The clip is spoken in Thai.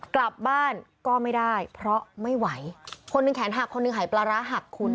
กลับบ้านก็ไม่ได้เพราะไม่ไหวคนหนึ่งแขนหักคนหนึ่งหายปลาร้าหักคุณ